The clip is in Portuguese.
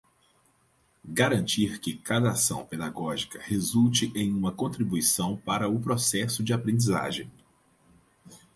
garantir que cada ação pedagógica resulte em uma contribuição para o processo de aprendizagem